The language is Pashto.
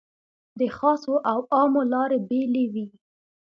د خاصو او عامو لارې بېلې وې.